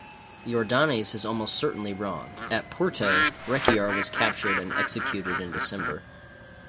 Jordanes is almost certainly wrong; at Porto Rechiar was captured and executed in December.